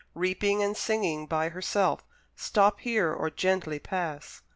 Reaping and singing by herself; Stop here, or gently pass!